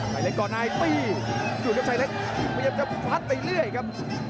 ไข่เล็กก่อนนายปี๊ดูกับไข่เล็กพยายามจะพัดไปเรื่อยครับ